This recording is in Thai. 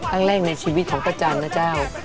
ครั้งแรกในชีวิตของป้าจานนะเจ้า